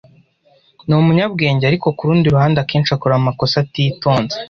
Ni umunyabwenge, ariko kurundi ruhande akenshi akora amakosa atitonze.